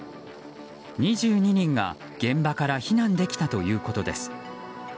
２２人が現場から避難できたということです。